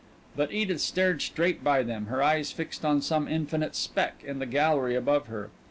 But Edith stared straight by them, her eyes fixed on some infinite speck in the gallery above her.